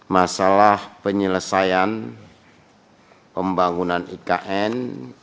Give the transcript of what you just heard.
masalah penyelesaian pembangunan ikn